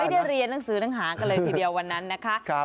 ได้เรียนหนังสือหนังหากันเลยทีเดียววันนั้นนะคะ